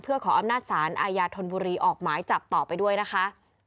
เพื่อขออำนาจศาลอาญาธนบุรีออกหมายจับต่อไปด้วยนะคะ